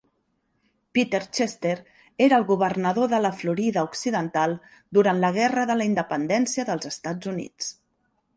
Peter Chester era el governador de la Florida Occidental durant la Guerra de la Independència dels Estats Units.